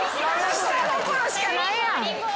下心しかないやん！